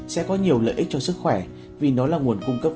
sẽ có nhiều lợi ích cho sức khỏe vì nó là nguồn cung cấp